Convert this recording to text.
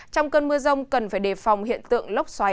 trong cơn mưa rông cần phải đề phòng hiện tượng lốc xoáy